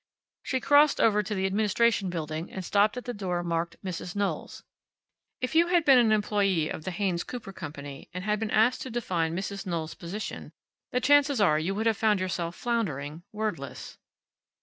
She crossed over to the Administration Building, and stopped at the door marked, "Mrs. Knowles." If you had been an employee of the Haynes Cooper company, and had been asked to define Mrs. Knowles's position the chances are that you would have found yourself floundering, wordless.